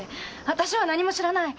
私は何も知らない。